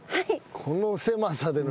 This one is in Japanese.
この狭さで。